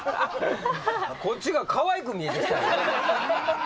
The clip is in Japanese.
こっちがかわいく見えてきた。